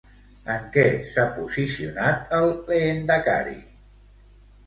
En què s'ha posicionat el lehendakari?